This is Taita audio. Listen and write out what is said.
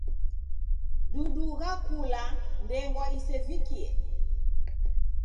Dudugha kula ndengwa isevikie.